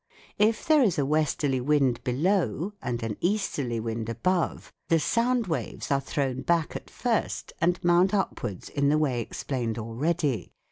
If there is a westerly wind below and an easterly wind above, the sound waves are thrown back at first and mount upwards in the way explained already.